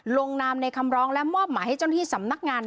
ลงนามในคำร้องและมอบหมายให้เจ้าหน้าที่สำนักงาน